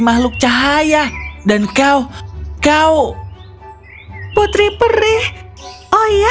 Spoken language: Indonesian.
makhluk cahaya dan kau kau putri perih oh ya